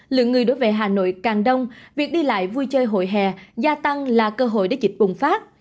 lượng người đối với hà nội càng đông việc đi lại vui chơi hồi hè gia tăng là cơ hội để dịch bùng phát